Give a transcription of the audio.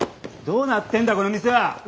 どうなってんだこの店は？